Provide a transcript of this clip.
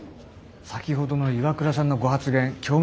先ほどの岩倉さんのご発言興味